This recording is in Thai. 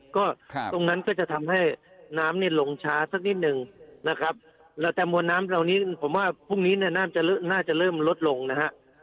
ก็ตรงนั้นก็จะทำให้น้ำเนี่ยลงช้าสักนิดนึงนะครับแล้วแต่มวลน้ำเหล่านี้ผมว่าพรุ่งนี้เนี่ยน้ำจะน่าจะเริ่มลดลงนะฮะ